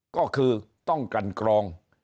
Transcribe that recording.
ก็คือต้องกันกรอง